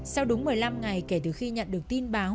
sau đúng một mươi năm ngày kể từ khi nhận được tin báo